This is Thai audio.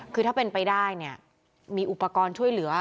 คือถ้าเป็นไปได้เนี่ยมีอุปกรณ์ช่วยเหลือ